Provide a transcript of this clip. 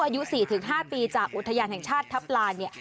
อายุ๔๕ปีจากอุทยานแห่งชาติทัพลานเนี่ย